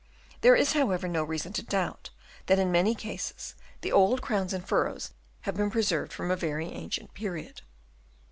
There is, however, no reason to doubt that in many cases the old crowns and furrows have been preserved from a very ancient period.